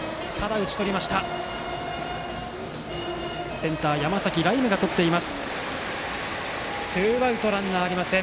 センター、山崎徠夢がとりツーアウト、ランナーありません。